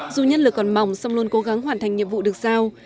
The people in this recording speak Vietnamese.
dù nhân lực còn mỏng song luôn cố gắng hoàn thành nhiệm vụ được giao